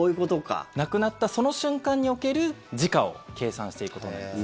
亡くなったその瞬間における時価を計算していくことになります。